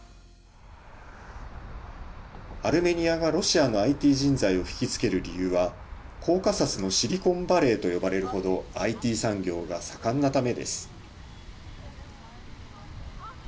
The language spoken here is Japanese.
アルメニアがロシアのＩＴ人材を引きつける理由は、コーカサスのシリコンバレーと呼ばれるほど、ＩＴ産業が盛んなためです。